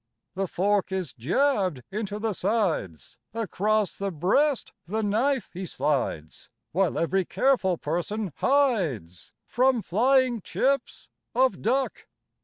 The fork is jabbed into the sides Across the breast the knife he slides While every careful person hides From flying chips of duck.